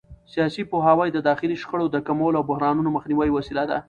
سیاسي پوهاوی د داخلي شخړو د کمولو او بحرانونو مخنیوي وسیله ده